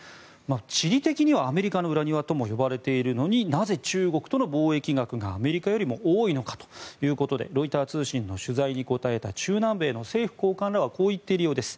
地理的にはアメリカの裏庭とも呼ばれているのになぜ中国との貿易額がアメリカよりも多いのかということでロイター通信の取材に答えた中南米の政府高官らはこう言っているようです。